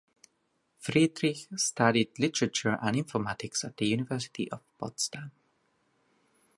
Friedrich studied literature and informatics at University of Potsdam.